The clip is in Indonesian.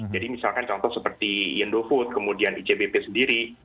jadi misalkan contoh seperti indofood kemudian icbp sendiri